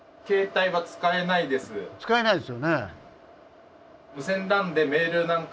使えないですよね。